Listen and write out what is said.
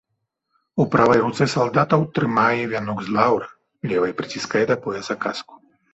У правай руцэ салдатаў трымае вянок з лаўра, левай прыціскае да пояса каску.